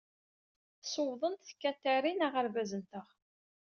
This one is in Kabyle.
Sewḍent tkatarin aɣerbaz-nteɣ.